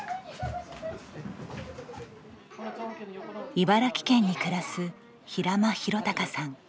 茨城県に暮らす平間弘隆さん。